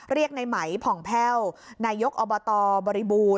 เรียกในไหมผ่องแพ่วนายกอบตบริบูรณ